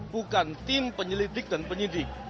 bukan tim penyelidik dan penyidik